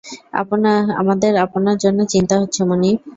আমাদের আপনার জন্য চিন্তা হচ্ছে, মনিব।